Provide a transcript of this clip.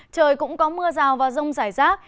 trời cũng có mưa rào và rong giải rác